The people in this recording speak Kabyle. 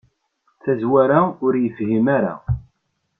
Tazwara ur yefhim ara.